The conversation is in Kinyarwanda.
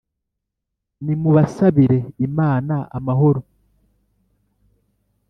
nibamusabire imana amahoro